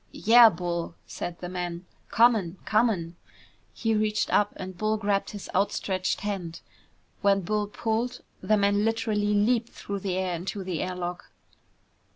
"Yeah, Bull," said the man. "Comin', comin'!" He reached up and Bull grabbed his outstretched hand. When Bull pulled, the man literally leaped through the air into the air lock.